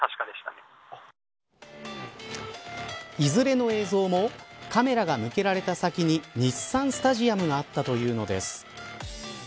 いずれの映像もカメラが向けられた先に日産スタジアムがあったというのです。